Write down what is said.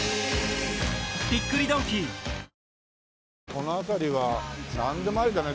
この辺りはなんでもありだね。